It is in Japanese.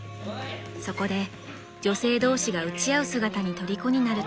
［そこで女性同士が打ち合う姿にとりこになると］